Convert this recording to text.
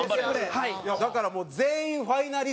だからもう全員ファイナリストとして。